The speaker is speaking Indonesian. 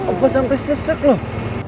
opa sampai sesek loh